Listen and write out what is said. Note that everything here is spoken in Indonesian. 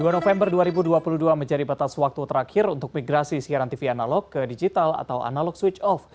dua november dua ribu dua puluh dua menjadi batas waktu terakhir untuk migrasi siaran tv analog ke digital atau analog switch off